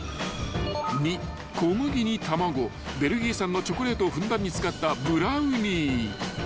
［２小麦に卵ベルギー産のチョコレートをふんだんに使ったブラウニー］